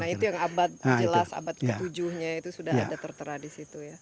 nah itu yang abad jelas abad ketujuhnya itu sudah ada tertera di situ ya